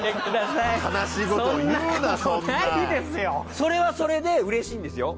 それはそれでうれしいんですよ。